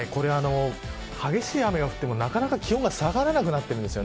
激しい雨が降ってもなかなか気温が下がらなくなっています。